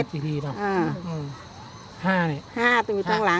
ตอนนี้ก็ไม่มีเวลามาเที่ยวกับเวลา